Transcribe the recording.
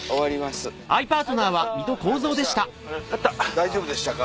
大丈夫でしたか？